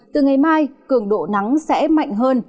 từ ngày mai cường độ nắng sẽ mạnh hơn